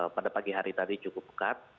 pada pagi hari tadi cukup pekat